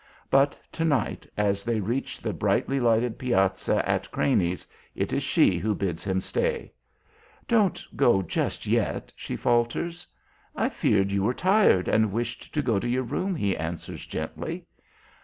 But to night as they reach the brightly lighted piazza at Craney's it is she who bids him stay. "Don't go just yet," she falters. "I feared you were tired and wished to go to your room," he answers, gently.